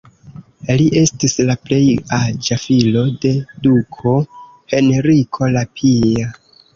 Li estis la plej aĝa filo de duko Henriko la Pia.